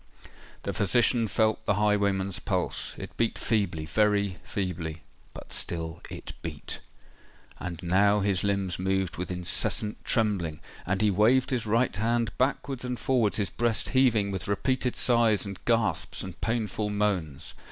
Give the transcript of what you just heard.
The physician felt the highwayman's pulse: it beat feebly—very feebly—but still it beat! And now his limbs moved with incessant trembling,—and he waved his right hand backwards and forwards, his breast heaving with repeated sighs, and gasps, and painful moans.